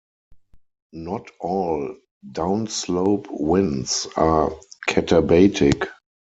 Not all downslope winds are catabatic.